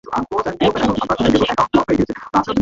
এক সন্ধ্যার পর এ গাবগাছের তলার পথ দিয়া যাওয়া!